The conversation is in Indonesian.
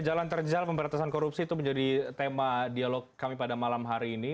jalan terjal pemberantasan korupsi itu menjadi tema dialog kami pada malam hari ini